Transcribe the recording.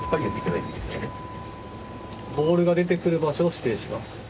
ボールが出てくる場所を指定します。